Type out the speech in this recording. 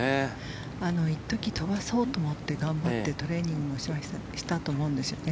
一時、飛ばそうと思って頑張ってトレーニングをしたと思うんですよね。